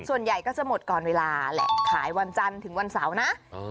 ส่วนใหญ่ก็จะหมดก่อนเวลาแหละขายวันจันทร์ถึงวันเสาร์นะ